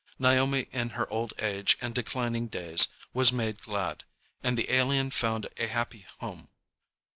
Naomi in her old age and declining days was made glad, and the alien found a happy home.